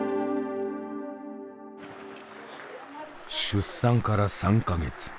出産から３か月。